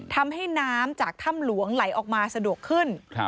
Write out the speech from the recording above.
ทำให้น้ำจากถ้ำหลวงไหลออกมาสะดวกขึ้น